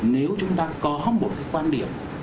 nếu chúng ta có một quan điểm